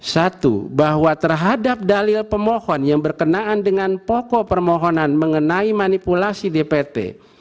satu bahwa terhadap dalil pemohon yang berkenaan dengan pokok permohonan mengenai manipulasi dpt